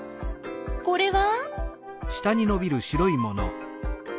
これは？